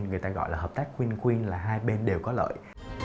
người ta gọi là hợp tác quên quên là hai bên đều có lợi